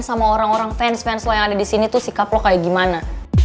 sama orang orang fans fans lo yang ada di sini tuh sikap lo kayak gimana